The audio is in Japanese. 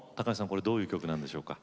これどういう曲なんでしょうか？